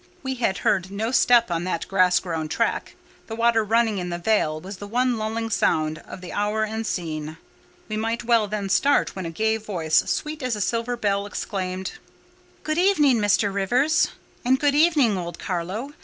We had heard no step on that grass grown track; the water running in the vale was the one lulling sound of the hour and scene; we might well then start when a gay voice, sweet as a silver bell, exclaimed— "Good evening, Mr. Rivers. And good evening, old Carlo.